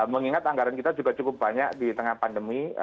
mengingat anggaran kita juga cukup banyak di tengah pandemi